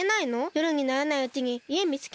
よるにならないうちにいえみつけないと。